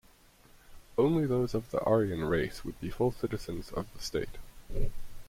Only those of the Aryan race would be full citizens of the state.